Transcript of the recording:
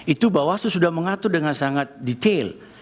itu bawaslu sudah mengatur dengan sangat detail